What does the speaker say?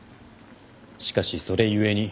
しかしそれ故に。